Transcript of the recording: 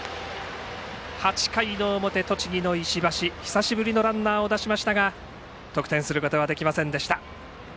８回の表、栃木の石橋は久しぶりのランナーを出しましたが得点することはできませんでした。